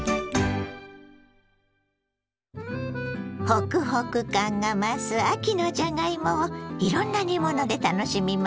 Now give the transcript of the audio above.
ホクホク感が増す秋のじゃがいもをいろんな煮物で楽しみましょ。